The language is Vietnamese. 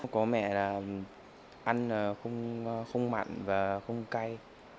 có mẹ ăn không mặn và không cay